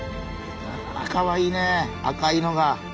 あかわいいね赤いのが。